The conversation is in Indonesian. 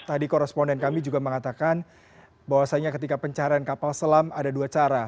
tadi koresponden kami juga mengatakan bahwasanya ketika pencarian kapal selam ada dua cara